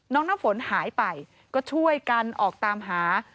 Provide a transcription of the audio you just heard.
น้ำฝนหายไปก็ช่วยกันออกตามหา